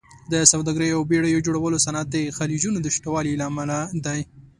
د سوداګرۍ او بېړیو جوړولو صنعت د خلیجونو د شتوالي امله دی.